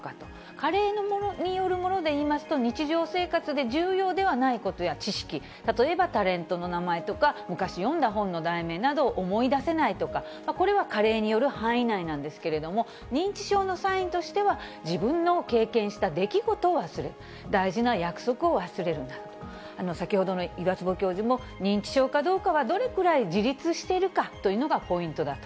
加齢によるものでいいますと、日常生活で重要ではないことの知識、例えばタレントの名前とか、昔読んだ本の題名などを思い出せないとか、これは加齢による範囲内なんですけれども、認知症のサインとしては、自分の経験した出来事を忘れる、大事な約束を忘れるなど、先ほどの岩坪教授も、認知症かどうかは、どれくらい自立しているかというのがポイントだと。